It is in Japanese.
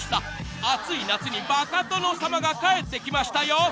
［暑い夏に『バカ殿様』が帰ってきましたよ！］